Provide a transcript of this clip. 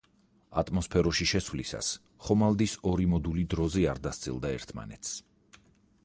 ატმოსფეროში შესვლისას ხომალდის ორი მოდული დროზე არ დასცილდა ერთმანეთს.